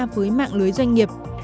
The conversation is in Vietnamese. với mạng lưới doanh nghiệp